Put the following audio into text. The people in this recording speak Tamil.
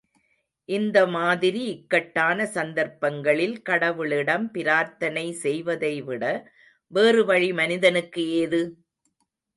இம்மாதிரி இக்கட்டான சந்தர்ப்பங்களில் கடவுளிடம் பிரார்த்தனை செய்வதைவிட வேறு வழி மனிதனுக்கு ஏது?